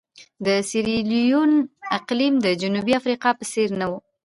د سیریلیون اقلیم د جنوبي افریقا په څېر نه وو.